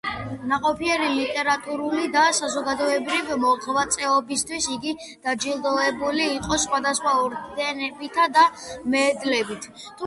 ნაყოფიერი ლიტერატურული და საზოგადოებრივი მოღვაწეობისთვის იგი დაჯილდოებული იყო სხვადასხვა ორდენებითა და მედლებით.